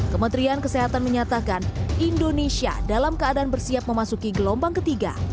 kementerian kesehatan menyatakan indonesia dalam keadaan bersiap memasuki gelombang ketiga